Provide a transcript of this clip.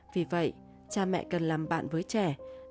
vì vậy cha mẹ cần làm bạn với trẻ để hiểu hơn về tâm lý của bạn bè